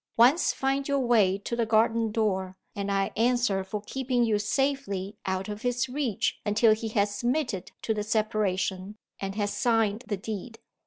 Once find your way to the garden door, and I answer for keeping you safely out of his reach until he has submitted to the separation, and has signed the deed."